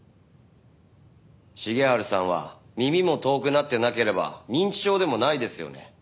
重治さんは耳も遠くなってなければ認知症でもないですよね？